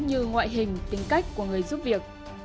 như ngoại hình tính cách của người giúp việc